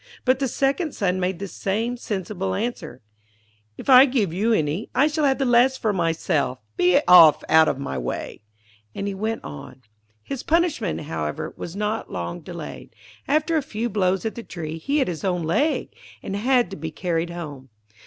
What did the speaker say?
But the second son made the same sensible answer, 'If I give you any, I shall have the less for myself. Be off out of my way,' and he went on. His punishment, however, was not long delayed. After a few blows at the tree, he hit his own leg, and had to be carried home.